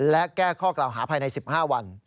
และแก้ข้อกล่าวหาภายใน๑๕วัน